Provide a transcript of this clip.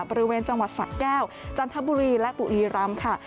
บริเวณจังหวัดสะแก้วจันทบุรีและบุรีรำค่ะ